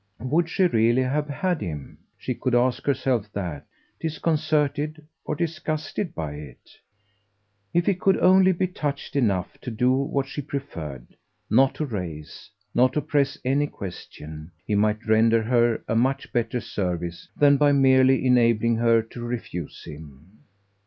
Would she really have had him she could ask herself that disconcerted or disgusted by it? If he could only be touched enough to do what she preferred, not to raise, not to press any question, he might render her a much better service than by merely enabling her to refuse him.